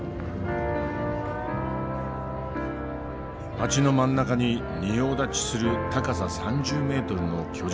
街の真ん中に仁王立ちする高さ３０メートルの巨人像。